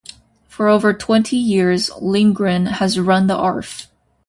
For over twenty years, Lindgren has run the Arf!